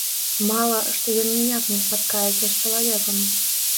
Мала, што ён ніяк не спаткаецца з чалавекам.